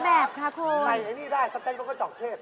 ใส่อันนี้ได้สเต็มต้องกระจอกเทศ